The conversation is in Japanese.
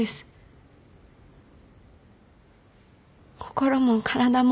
心も体も。